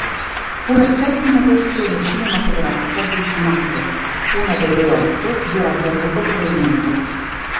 Fu la settima versione cinematografica di "Macbeth", una delle otto girate all'epoca del muto.